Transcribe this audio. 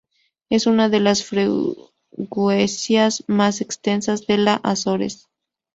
Es una de las freguesías más extensas de las Azores.